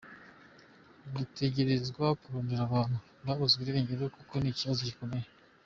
Dutegerezwa kurondera abantu babuzwe irengero, kuko ni ikibazo gikomeye.